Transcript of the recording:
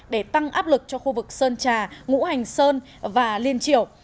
để tăng áp lực cho khu vực sơn trà ngũ hành sơn và liên triều